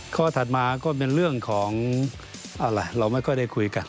ถัดมาก็เป็นเรื่องของอะไรเราไม่ค่อยได้คุยกัน